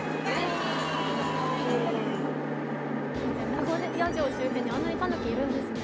名古屋城周辺にあんなにたぬきいるんですね。